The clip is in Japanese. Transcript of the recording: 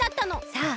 さあ